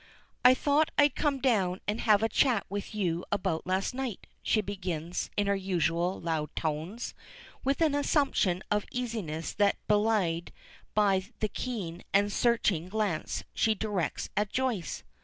"I thought I'd come down and have a chat with you about last night," she begins in her usual loud tones, and with an assumption of easiness that is belied by the keen and searching glance she directs at Joyce.